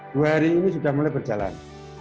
dua hari ini sudah mulai berjalan